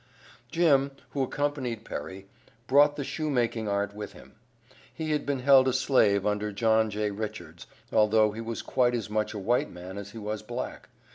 Jim, who accompanied Perry, brought the shoe making art with him. He had been held a slave under John J. Richards, although he was quite as much a white man as he was black.